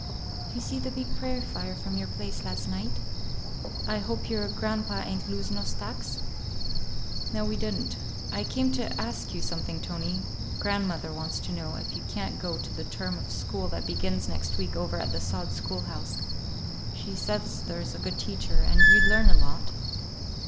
"You see the big prairie fire from your place last night? I hope your grandpa ain't lose no stacks?" "No, we did n't. I came to ask you something, Tony. Grandmother wants to know if you can't go to the term of school that begins next week over at the sod schoolhouse. She says there's a good teacher, and you'd learn a lot."